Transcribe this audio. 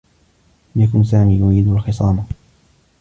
لم يكن سامي يريد الخصام.